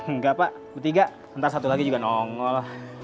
enggak pak bertiga nanti satu lagi juga nongol